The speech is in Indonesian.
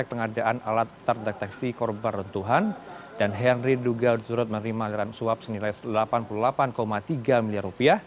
dalam pengadaan peralatan pendeteksi korban runtuhan dan henry juga menurut menerima aliran suap senilai rp delapan puluh delapan tiga miliar